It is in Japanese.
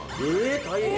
大変。